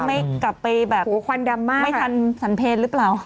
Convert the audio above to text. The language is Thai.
ไม่กลับไปแบบไม่ทันสันเพศหรือเปล่า